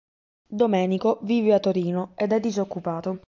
Domenico vive a Torino ed è disoccupato.